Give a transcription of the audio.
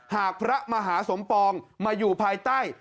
หากพระมหาสมปองมาอยู่ภายใต้